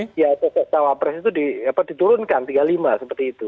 ya cahabres itu diturunkan tiga puluh lima seperti itu